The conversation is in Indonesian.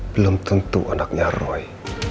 belum tentu anaknya roy